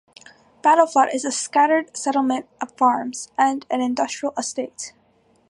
Battleflat is a scattered settlement of farms and an industrial estate.